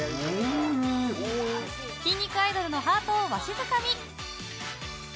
筋肉アイドルのハートをわしづかみ。